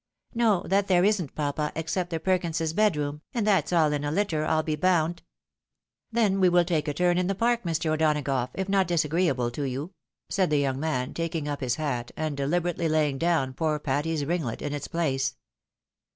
" No, that there isn't papa, except the Perkinses' bedroom, and that's all in a litter, PU be bound." " Then we wiU take a turn in the park, Mr. O'Donagough, if not disagreeable to you," said the young man, taking up his hat, and deliberately laying down poor Patty's ringlet in its place.